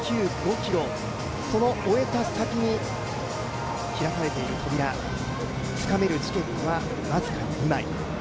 ｋｍ、その終えた先に開かれてい扉、つかめるチケットは僅か２枚。